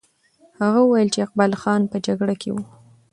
هغه وویل چې اقبال خان په جګړه کې وو.